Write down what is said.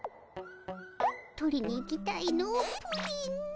取りに行きたいのプリン。